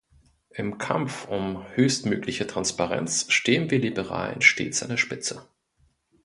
Im Kampf um höchstmögliche Transparenz stehen wir Liberalen stets an der Spitze.